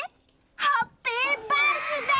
ハッピーバースデー！